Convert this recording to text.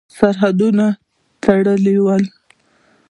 سرحدونه تړلي ول.